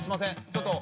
ちょっと。